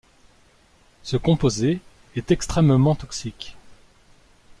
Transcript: Ce composé est extrêmement toxique.